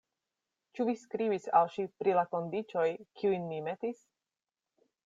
Ĉu vi skribis al ŝi pri la kondiĉoj, kiujn mi metis?